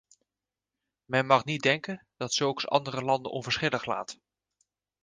Men mag niet denken dat zulks andere landen onverschillig laat.